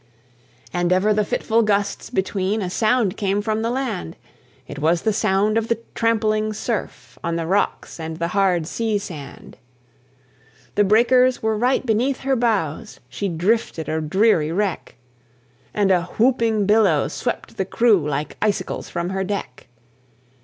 And ever the fitful gusts between A sound came from the land; It was the sound of the trampling surf On the rocks and the hard sea sand. The breakers were right beneath her bows, She drifted a dreary wreck, And a whooping billow swept the crew Like icicles from her deck.